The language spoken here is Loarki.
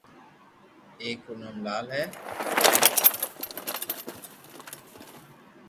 اآڪ رو نوم لال ھي